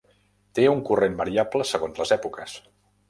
Té un corrent variable segons les èpoques.